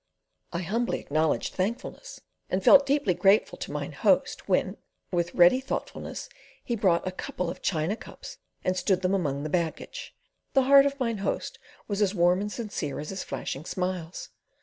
I humbly acknowledged thankfulness, and felt deeply grateful to Mine Host, when, with ready thoughtfulness he brought a couple of china cups and stood them among the baggage—the heart of Mine Host was as warm and sincere as his flashing smiles.